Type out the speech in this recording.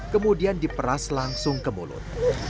kemudian diperas langsung ke mulut